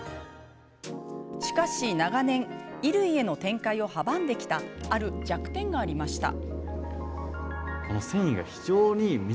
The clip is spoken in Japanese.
しかし、長年、衣類への展開を阻んできたある弱点がありました。